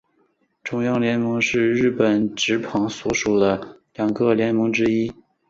中央联盟是日本职棒所属的两个联盟之一。